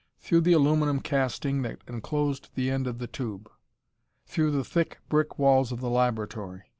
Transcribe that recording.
Through the aluminum casting that enclosed the end of the tube. Through the thick brick walls of the laboratory.